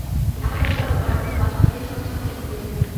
ঢাকার পথে চলাচল করা অন্য বাস-মালিকদের সঙ্গে শ্রমিকদের কোনো বিরোধ নেই।